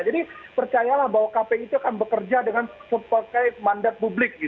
jadi percayalah bahwa kpi itu akan bekerja dengan sebagai mandat publik